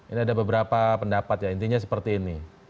ini ada beberapa pendapat ya intinya seperti ini